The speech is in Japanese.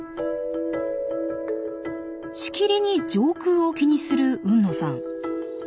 しきりに上空を気にする海野さん。